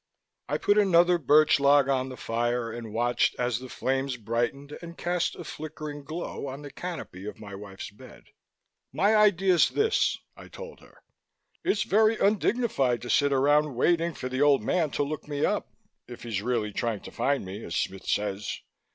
I put another birch log on the fire and watched as the flames brightened and cast a flickering glow on the canopy of my wife's bed. "My idea's this," I told her. "It's very undignified to sit around waiting for the Old Man to look me up, if He's really trying to find me, as Smith says.